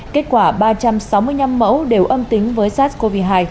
kết quả ba trăm sáu mươi năm mẫu đều âm tính với sars cov hai